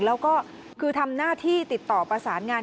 แล้วก็คือทำหน้าที่ติดต่อประสานงาน